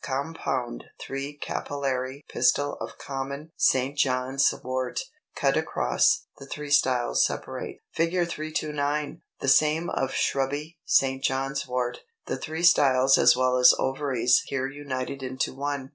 Compound 3 carpellary pistil of common St. John's wort, cut across: the three styles separate.] [Illustration: Fig. 329. The same of shrubby St. John's wort; the three styles as well as ovaries here united into one.